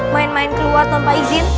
main main keluar tanpa izin